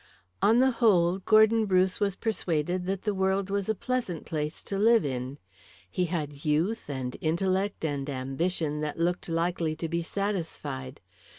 On the whole, Gordon Bruce was persuaded that the world was a pleasant place to live in. He had youth and intellect and ambition that looked likely to be satisfied.